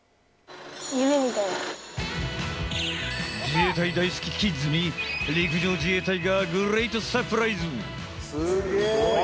自衛隊大好きキッズに陸上自衛隊がグレートサプライズ！